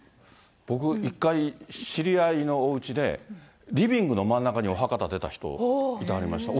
僕、一回知り合いのおうちでリビングの真ん中にお墓建てた人、いてはりました。